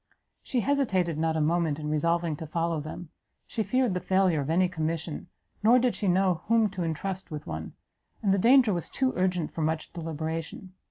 She hesitated not a moment in resolving to follow them: she feared the failure of any commission, nor did she know whom to entrust with one: and the danger was too urgent for much deliberation.